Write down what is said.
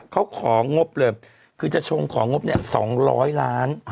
เขาของงบเลยคือจะชงของงบเนี่ย๒๐๐ล้าน